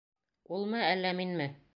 Улмы, әллә минме?